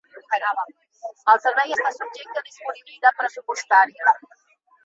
El servei està subjecte a disponibilitat pressupostària.